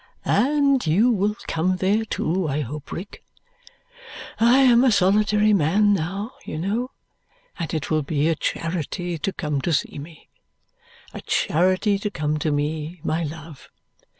"And you will come there too, I hope, Rick. I am a solitary man now, you know, and it will be a charity to come to me. A charity to come to me, my love!"